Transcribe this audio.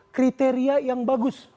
kriteria yang bagus